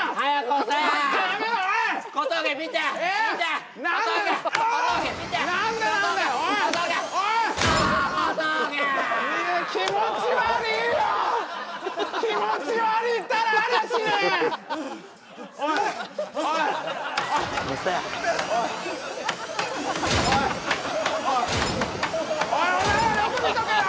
押せおいお前らよく見とけよ